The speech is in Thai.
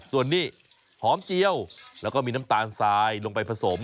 ส่วนนี้หอมเจียวแล้วก็มีน้ำตาลทรายลงไปผสม